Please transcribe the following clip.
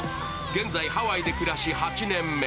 現在ハワイで暮らし８年目。